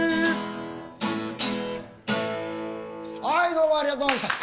はいどうもありがとうございました。